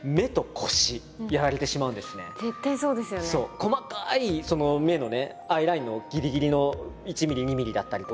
細かい目のねアイラインのギリギリの１ｍｍ２ｍｍだったりとか。